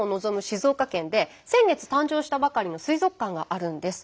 静岡県で先月誕生したばかりの水族館があるんです。